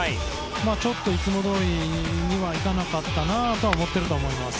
ちょっと、いつもどおりにはいかなかったなと思っているとは思っています。